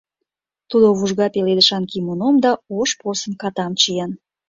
Тудо вужга пеледышан кимоном да ош порсын катам чиен.